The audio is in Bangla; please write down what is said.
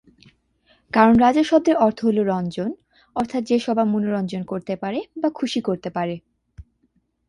কারণ রাজা শব্দের অর্থ হল 'রঞ্জন' অর্থাৎ যে সবার মনোরঞ্জন করতে পারে বা খুশি করতে পারে।